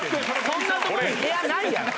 そんなとこ部屋ないやろ。